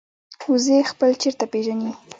وزې خپل چرته پېژني